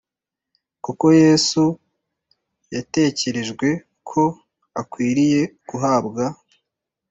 Kuko Yesu yatekerejwe ko akwiriye guhabwa